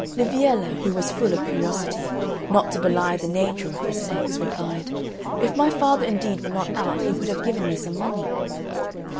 Liviella, who was full of curiosity, not to belie the nature of her sex, replied, "If my father indeed were not out he would have given me some money."